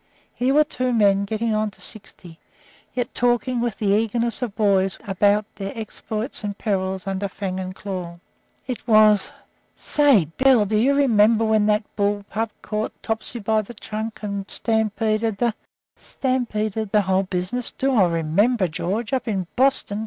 Here were two men getting on to sixty, yet talking with the eagerness of boys about their exploits and perils under fang and claw. It was: "Say, Bill, do you remember when that bull pup caught Topsy by the trunk and stampeded the " "Stampeded the whole business. Do I remember, George? Up in Boston.